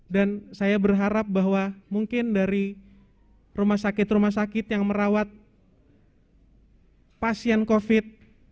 dan saya berharap bahwa mungkin dari rumah sakit rumah sakit yang merawat pasien covid